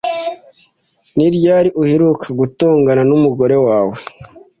Ni ryari uheruka gutongana n'umugore wawe?